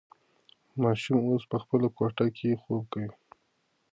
ماشوم اوس په خپله کوټه کې خوب کوي.